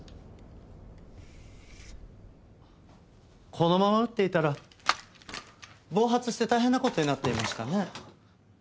このまま撃っていたら暴発して大変な事になっていましたね。